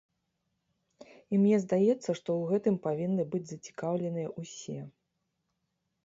І мне здаецца, што ў гэтым павінны быць зацікаўленыя ўсе.